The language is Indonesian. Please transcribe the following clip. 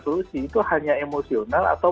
solusi itu hanya emosional atau